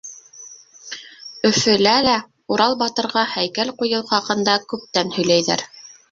Өфөлә лә Урал батырға һәйкәл ҡуйыу хаҡында күптән һөйләйҙәр.